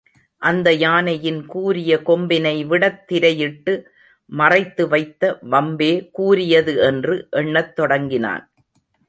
அந்த யானையின் கூரிய கொம்பினைவிடத் திரையிட்டு மறைத்துவைத்த வம்பே கூரியது என்று எண்ணத் தொடங்கினான்.